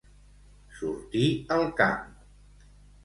Sortir al camp.